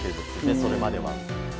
それまでは。